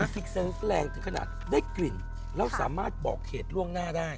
พลิกเซงแรงถึงขนาดได้กลิ่นแล้วสามารถบอกเหตุล่วงหน้าได้